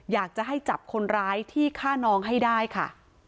อยากจะให้จับคนร้ายที่ฆ่าน้องให้ได้ค่ะ